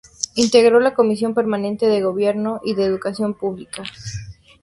Integró la Comisión permanente de Gobierno y de Educación Pública.